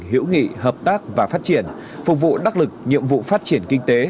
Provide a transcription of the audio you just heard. hữu nghị hợp tác và phát triển phục vụ đắc lực nhiệm vụ phát triển kinh tế